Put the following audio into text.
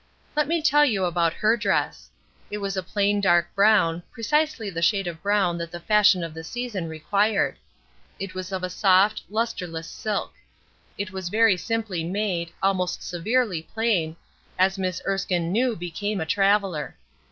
Let me tell you about her dress. It was plain dark brown, precisely the shade of brown that the fashion of the season required. It was of soft, lusterless silk. It was very simply made, almost severely plain, as Miss Erskine knew became a traveler.